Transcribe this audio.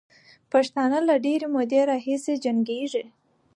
پښتانه له ډېرې مودې راهیسې جنګېږي.